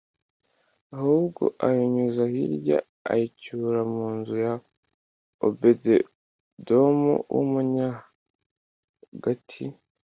ahubwo ayinyuza hirya ayicyura mu nzu ya Obededomu w’Umunyagati.